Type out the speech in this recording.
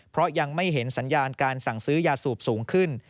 เพราะยังไม่เห็นสัญญาณการสั่งซื้อยาสูบสูงขึ้น